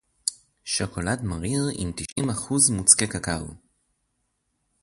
שוקולד מריר עם תשעים אחוז מוצקי קקאו